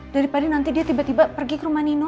daripada nanti dia tiba tiba pergi ke rumah nino